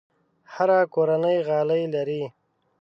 هره کورنۍ غالۍ لري.